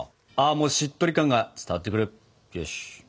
もうしっとり感が伝わってくる。